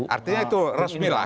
artinya itu resmi lah